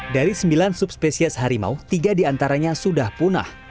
dari sembilan subspesies harimau tiga diantaranya sudah punah